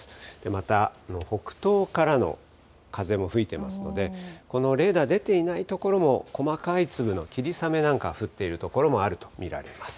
また、北東からの風も吹いてますので、このレーダー出ていない所も細かい粒の霧雨なんか降っている所もあると見られます。